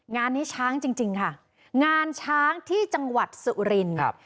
งานนี้ช้างจริงค่ะงานช้างที่จังหวัดสุรินครับ